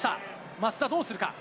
松田、どうするか。